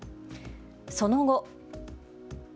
その後。